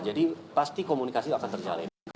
jadi pasti komunikasi akan terjalin